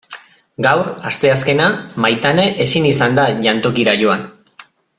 Gaur, asteazkena, Maitane ezin izan da jantokira joan.